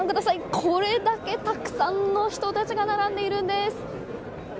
これだけたくさんの人たちが並んでいるんです。